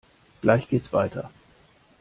Gleich geht's weiter!